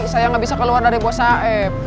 saya gak bisa keluar dari bos saep